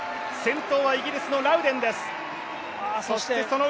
先頭はイギリスのラウデンです。